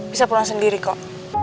bisa pulang sendiri kok